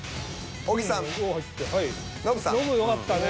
ノブよかったね。